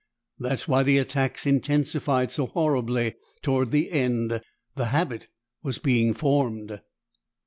That's why the attacks intensified so horribly toward the end; the habit was being formed."